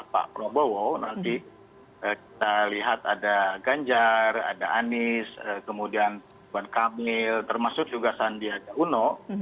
pak prabowo nanti kita lihat ada ganjar ada anies kemudian tuan kamil termasuk juga sandiaga uno